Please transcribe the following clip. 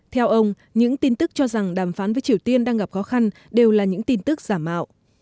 theo ông những tin tức cho rằng đàm phán với triều tiên đang gặp khó khăn đều là những tin tức giả mạo